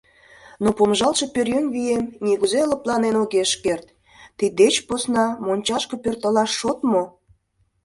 Но помыжалтше пӧръеҥ вием нигузе лыпланен огеш керт, тиддеч посна мончашке пӧртылаш шот мо?